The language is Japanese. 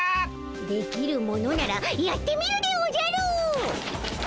できるものならやってみるでおじゃる！